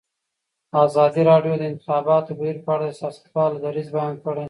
ازادي راډیو د د انتخاباتو بهیر په اړه د سیاستوالو دریځ بیان کړی.